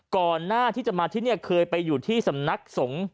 ก่อนหน้าที่จะมาที่นี่เคยไปอยู่ที่สำนักสงฆ์